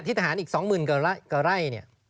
ที่ทหารอีก๒หมื่นกับไร้นี่